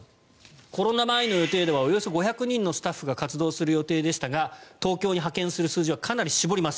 コロナ前の予定ではおよそ５００人のスタッフが活動する予定でしたが東京に派遣する数はかなり絞ります。